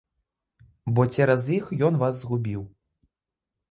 Бо цераз іх ён вас згубіў.